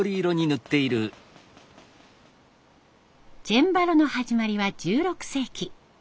チェンバロの始まりは１６世紀。